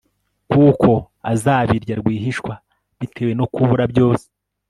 kuko azabirya rwihishwa bitewe no kubura byose